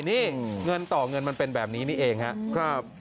นี่เงินต่อเงินมันเป็นแบบนี้นี่เองครับ